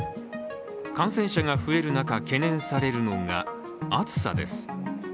感染者が増える中懸念されるのが、暑さです。